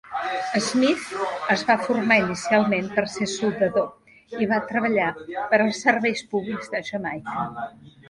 Smith es va formar inicialment per ser soldador i va treballar per als Serveis Públics de Jamaica.